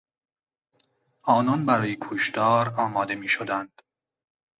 آنان برای کشتار آماده میشدند.